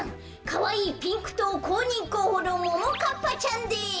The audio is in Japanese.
かわいいピンクとうこうにんこうほのももかっぱちゃんです！